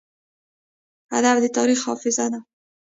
ادب د تاریخ حافظه ده.